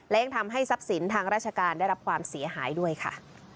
และยังทำให้ทรัพย์สินทางราชการได้รับความเสียหายด้วยค่ะ